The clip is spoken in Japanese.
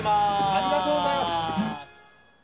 ありがとうございます。